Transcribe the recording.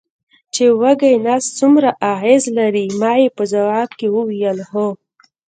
چې وږی نس څومره اغېز لري، ما یې په ځواب کې وویل: هو.